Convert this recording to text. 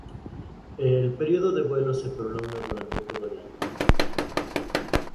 El periodo de vuelo se prolonga durante todo el año.